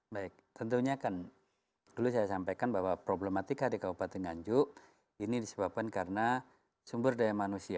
baik tentunya kan dulu saya sampaikan bahwa problematika di kabupaten nganjuk ini disebabkan karena sumber daya manusia